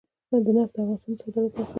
نفت د افغانستان د صادراتو برخه ده.